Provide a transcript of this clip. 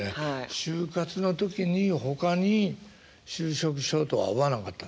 就活の時にほかに就職しようとは思わなかったんですか？